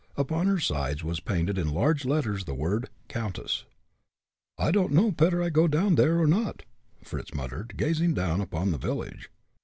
Upon her sides was painted in large letters the word, "Countess." "I don'd know petter I go down there, or not," Fritz muttered, gazing down upon the village.